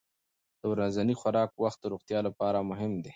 د ورځني خوراک وخت د روغتیا لپاره مهم دی.